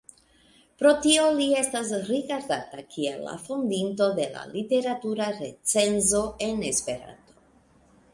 Pro tio li estas rigardata kiel la fondinto de la literatura recenzo en Esperanto.